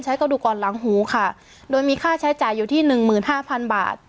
กระดูกก่อนหลังหูค่ะโดยมีค่าใช้จ่ายอยู่ที่หนึ่งหมื่นห้าพันบาท